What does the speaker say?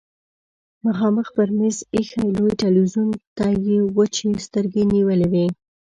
مخامخ پر مېز ايښي لوی تلويزيون ته يې وچې سترګې نيولې وې.